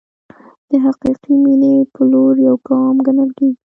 د حقیقي مینې په لور یو ګام ګڼل کېږي.